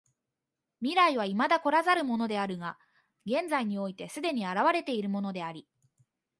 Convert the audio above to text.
未来は未だ来らざるものであるが現在において既に現れているものであり、